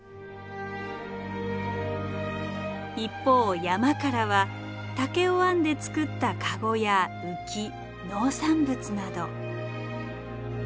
一方山からは竹を編んで作った籠や浮き農産物など。